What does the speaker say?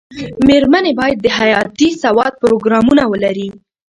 مېرمنې باید د حياتي سواد پروګرامونه ولري.